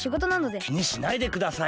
きにしないでください。